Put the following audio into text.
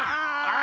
あ！